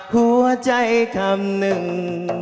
หัวใจคำหนึ่ง